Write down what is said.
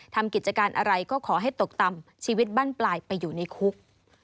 ทำกิจการอะไรก็ขอให้ตกต่ำชีวิตบ้านปลายไปอยู่ในคุก